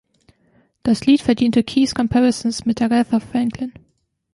Das Lied verdiente „Keys Comparisons“ mit Aretha Franklin.